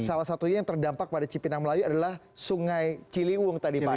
salah satunya yang terdampak pada cipinang melayu adalah sungai ciliwung tadi pak